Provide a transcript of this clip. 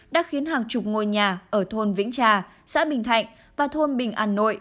đã khiến hàng chục ngôi nhà ở thôn vĩnh trà xã bình thạnh và thôn bình an nội